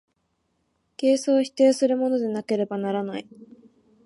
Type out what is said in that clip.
形相を否定するものでなければならない。